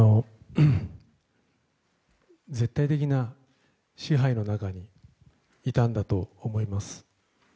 絶対的な支配の中にいたんだと思います。